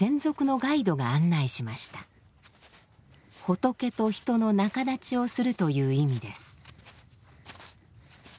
仏と人の仲立ちをするという意味です。